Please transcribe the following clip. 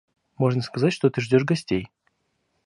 Можно сказать, что ты ждешь гостей.